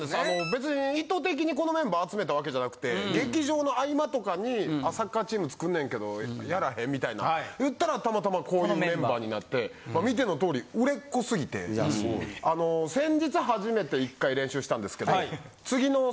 別に意図的にこのメンバー集めたわけじゃなくて劇場の合間とかに「サッカーチーム作んねんけどやらへん？」みたいな言ったらたまたまこういうメンバーになってまあ見ての通り売れっ子すぎて先日初めて１回練習したんですけど。